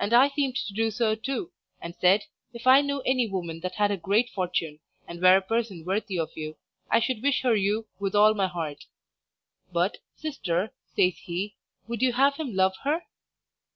And I seemed to do so too, and said, if I knew any woman that had a great fortune, and were a person worthy of you, I should wish her you with all my heart. "But, sister," says he, "would you have him love her?"